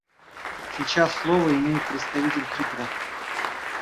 Сейчас слово имеет представитель Кипра.